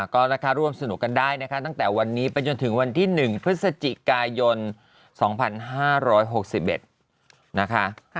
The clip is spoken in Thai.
ก็นะคะร่วมสนุกกันได้นะคะตั้งแต่วันนี้ไปจนถึงวันที่๑พฤศจิกายน๒๕๖๑นะคะ